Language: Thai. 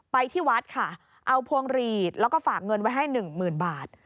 ที่วัดค่ะเอาพวงหลีดแล้วก็ฝากเงินไว้ให้หนึ่งหมื่นบาท